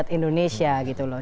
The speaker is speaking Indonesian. rakyat indonesia gitu loh